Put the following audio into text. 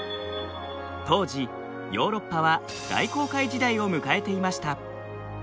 当時ヨーロッパは大航海時代を迎えていました。